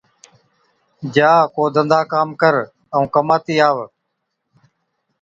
جا ڪو ڌنڌا ڪام ڪر، ائُون ڪماتِي آوَ۔